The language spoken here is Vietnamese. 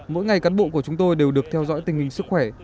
mỗi ngày cán bộ của chúng tôi đều được theo dõi tình hình sức khỏe